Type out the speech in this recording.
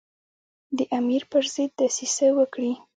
د امیر پر ضد دسیسه وکړي.